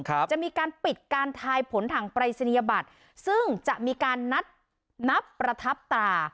จะมีการปิดการทายผลทางปรายศนียบัตรซึ่งจะมีการนัดนับประทับตรา